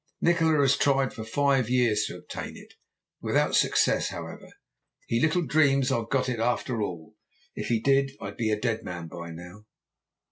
Nikola has tried for five years to obtain it, without success however. He little dreams I've got it after all. If he did I'd be a dead man by now.'